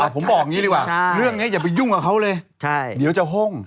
ผมบอกอย่างนี้ดีกว่าเรื่องนี้อย่าไปยุ่งกับเขาเลยเดี๋ยวจะห้ง